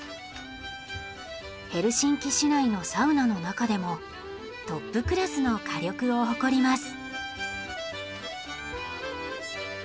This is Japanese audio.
ヘルシンキ市内のサウナの中でもトップクラスの火力を誇ります。